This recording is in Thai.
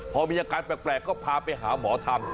พอมีอาการแปลกก็พาไปหาหมอทำ